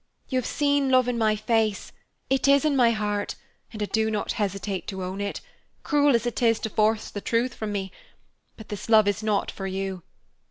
You have seen love in my face; it is in my heart, and I do not hesitate to own it, cruel as it is to force the truth from me, but this love is not for you.